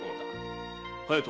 隼人。